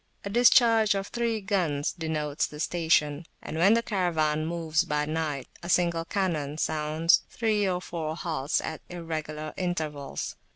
A discharge of three guns denotes the station, and when the Caravan moves by night a single cannon sounds three or four halts at irregular intervals.